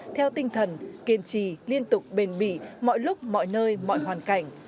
theo tinh thần kiên trì liên tục bền mỉ mọi lúc mọi nơi mọi hoàn cảnh